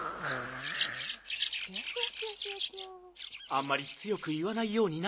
あんまりつよくいわないようにな。